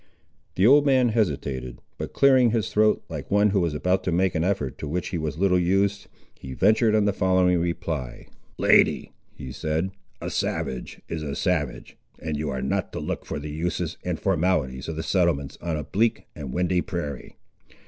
The old man hesitated; but clearing his throat, like one who was about to make an effort to which he was little used, he ventured on the following reply— "Lady," he said, "a savage is a savage, and you are not to look for the uses and formalities of the settlements on a bleak and windy prairie.